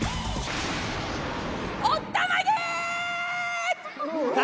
おったまげ！